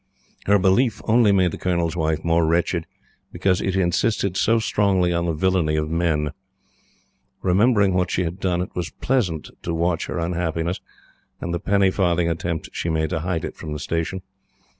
Her belief only made the Colonel's Wife more wretched, because it insisted so strongly on the villainy of men. Remembering what she had done, it was pleasant to watch her unhappiness, and the penny farthing attempts she made to hide it from the Station.